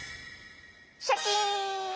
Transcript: シャキン！